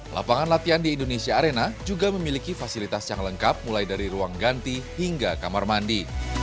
lapangan latihan di indonesia arena juga memiliki fasilitas yang lengkap mulai dari ruang ganti hingga kamar mandi